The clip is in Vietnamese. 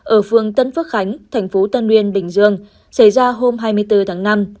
ở phương tân phước khánh thành phố tân nguyên bình dương xảy ra hôm hai mươi bốn tháng năm